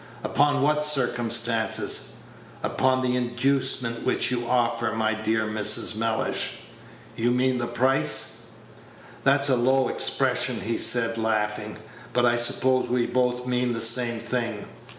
"Upon what circumstances?" "Upon the inducement which you offer, my dear Mrs. Mellish." "You mean the price?" "That's a low expression," he said, laughing; "but I suppose we both mean the same thing.